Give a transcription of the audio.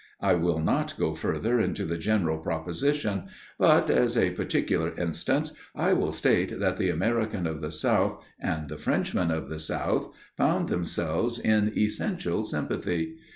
I will not go further into the general proposition; but as a particular instance I will state that the American of the South and the Frenchman of the South found themselves in essential sympathy.